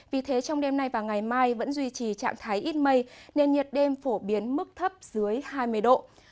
vì thế trong đêm nay và ngày mai vẫn duy trì trạng thái ít mây nền nhiệt đêm phổ biến mức thấp dưới hai mươi độ